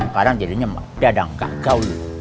kadang jadinya mada dan gak gaul